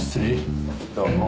どうも。